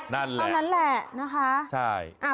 เท่านั้นแหละนะคะ